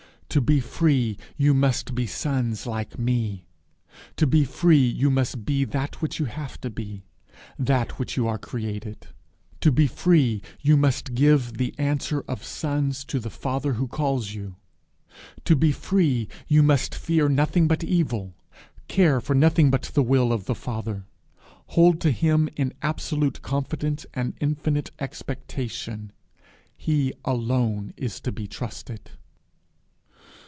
To be free, you must be sons like me. To be free you must be that which you have to be, that which you are created. To be free you must give the answer of sons to the Father who calls you. To be free you must fear nothing but evil, care for nothing but the will of the Father, hold to him in absolute confidence and infinite expectation. He alone is to be trusted.'